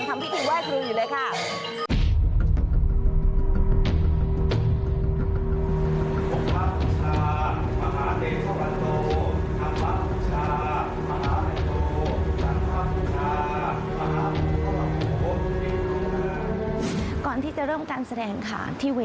ที่เวทีหนังใหญ่นะคะ